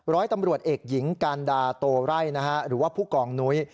ร้อยตำรวจเอกหญิงการดาโตไร่หรือว่าผู้กองนุ้ย